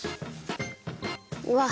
うわっ！